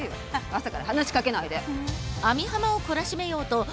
朝から話しかけないで。